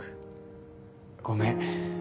ごめん。